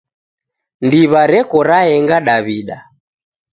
Ndiwa reko raenga Daw'ida.